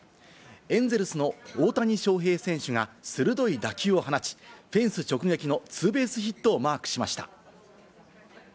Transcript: エンゼルスの大谷翔平選手が鋭い打球を放ち、フェンス直撃のツーベースヒットをマークしました。